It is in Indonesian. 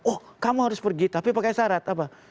oh kamu harus pergi tapi pakai syarat apa